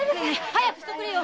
早くしておくれよ。